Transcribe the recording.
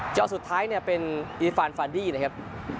จอสุดท้ายเป็นอีฟานฟาร์ดี้นะครับ